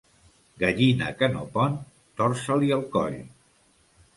Gallina que no pon, torça-li el coll.